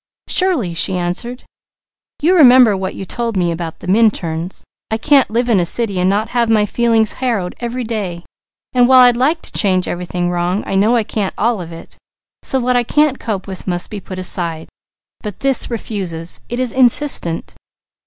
"Surely!" she answered. "You remember what you told me about the Minturns. I can't live in a city and not have my feelings harrowed every day, and while I'd like to change everything wrong, I know I can't all of it, so what I can't cope with must be put aside; but this refuses, it is insistent.